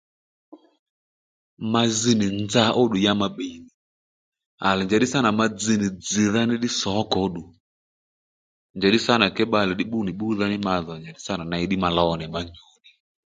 Ma zz nì nza óddù ya ma bbì nì à lè njàddí sâ nà ma dzz nì dzz̀ ní sǒkò óddù njàddí sâ nà njàddí bbalè bbú nì bbúdha ní ma dhò ndey nì ney ddí ma low nì ma lòw nì ma nyu nì